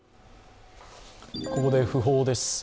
ここで訃報です。